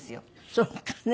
そうかね？